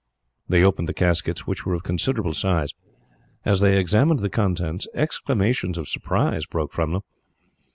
They opened the caskets, which were of considerable size. As they examined the contents, exclamations of surprise broke from them.